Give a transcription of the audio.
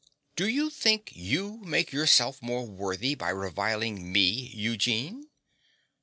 Do you think you make yourself more worthy by reviling me, Eugene?